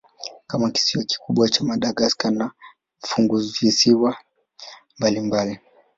Kuna kisiwa kikubwa cha Madagaska na funguvisiwa mbalimbali.